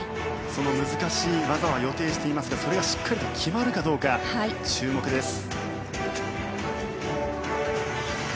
その難しい技は予定していますがそれがしっかりと決まるかどうか注目です。